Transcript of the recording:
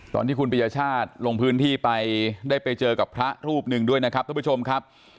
ตอนที่คุณปริญญาชาติลงพื้นที่ไปได้ไปเจอกับพระรูปหนึ่งด้วยนะครับท่านผู้ชมครับ